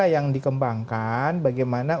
yang dikembangkan bagaimana